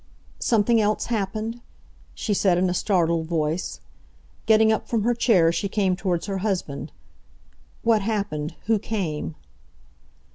"Something else happened?" she said in a startled voice. Getting up from her chair she came towards her husband: "What happened? Who came?"